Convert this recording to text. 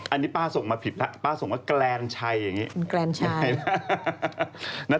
อันนี้ป้าส่งมาผิดป้าส่งว่าแกรนชัยแกรนชัย